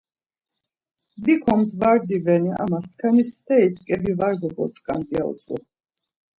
Bikomt var diveni ama skani steri t̆ǩebi var go-botzǩam ya utzu.